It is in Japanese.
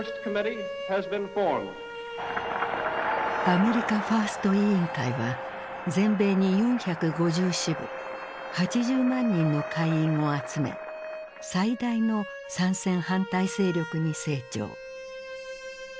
アメリカ・ファースト委員会は全米に４５０支部８０万人の会員を集め最大の参戦反対勢力に成長。